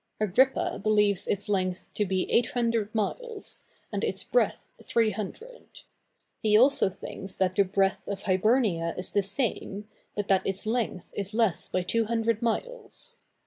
Agrippa believes its length to be 800 miles, and its breadth 300; he also thinks that the breadth of Hibernia is the same, but that its length is less by 200 miles.